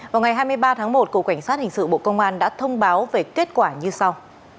vào ngày hai mươi ba tháng một cục cảnh sát hình sự bộ công an đã thông báo về kết quả như sau